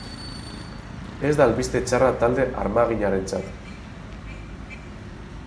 Ez da albiste txarra talde armaginarentzat.